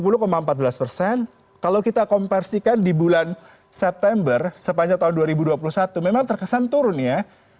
dan kalau kita kompersikan di bulan september sepanjang tahun dua ribu dua puluh satu memang terkesan turun ya